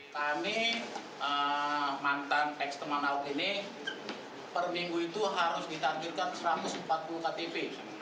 kami mantan ex teman ahok ini per minggu itu harus ditakjurkan satu ratus empat puluh ktp